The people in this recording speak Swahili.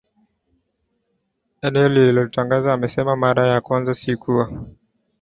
eneo lililojitenga amesema Mara ya kwanza sikuwa